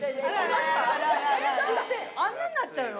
あんなになっちゃうの？